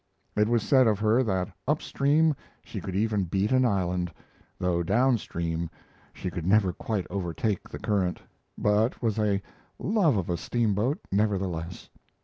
It was said of her that up stream she could even beat an island, though down stream she could never quite overtake the current, but was a "love of a steamboat" nevertheless.